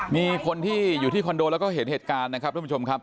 มีคนที่อยู่ที่คอนโดแล้วก็เห็นเหตุการณ์นะครับทุกผู้ชมครับ